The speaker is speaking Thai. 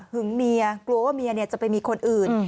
เมียกลัวว่าเมียจะไปมีคนอื่น